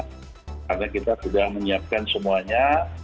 karena kita sudah menyiapkan semuanya